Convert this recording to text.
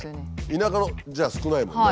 田舎じゃ少ないもんね。